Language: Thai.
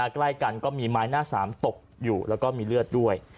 ใกล้กันก็มีไม้หน้าสามตกอยู่แล้วก็มีเลือดด้วย